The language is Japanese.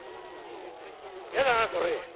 「やだなそれ。